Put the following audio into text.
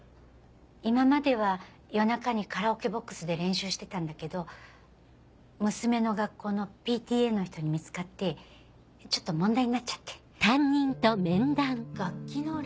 今までは夜中にカラオケボックスで練習してたんだけど娘の学校のＰＴＡの人に見つかってちょっと問題になっちゃって。